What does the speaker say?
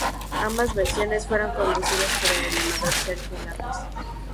Ambas versiones fueron conducidas por el animador Sergio Lagos.